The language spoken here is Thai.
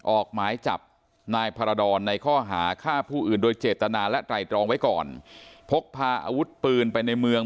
ออกหมายจับนายพารดรในข้อหาฆ่าผู้อื่นโดยเจตนาและไตรตรองไว้ก่อนพกพาอาวุธปืนไปในเมือง